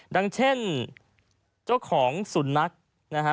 ดังเช่นเจ้าของสุนัขนะฮะ